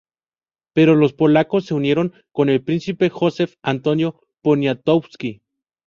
Pero los polacos se unieron con el príncipe Józef Antoni Poniatowski.